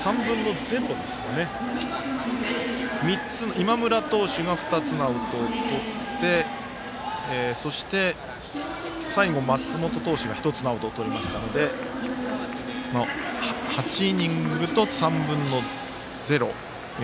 今村投手が２つのアウトをとって松元投手が１つのアウトをとりましたので８イニングと３分の０。